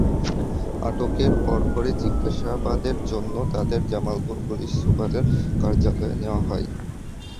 আটকের পরপরই জিজ্ঞাসাবাদের জন্য তাঁদের জামালপুর পুলিশ সুপারের কার্যালয়ে নেওয়া হয়।